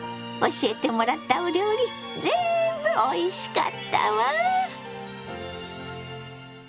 教えてもらったお料理ぜんぶおいしかったわ！